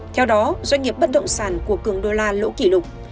theo đó doanh nghiệp bất động sản của cường đô la lỗ kỷ lục